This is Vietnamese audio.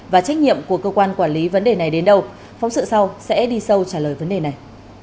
và trách nhiệm của cơ quan quản lý vấn đề này đến đâu phóng sự sau sẽ đi sâu trả lời vấn đề này